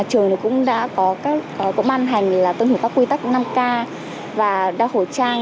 trường cũng đã có các công an hành là tương hưởng các quy tắc năm k và đa khẩu trang